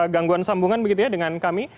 gangguan sambungan dengan kami